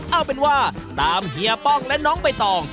เอาเป็นว่าตามเฮียป้องและน้องใบตอง